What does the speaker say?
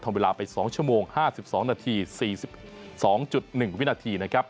เวลาไป๒ชั่วโมง๕๒นาที๔๒๑วินาทีนะครับ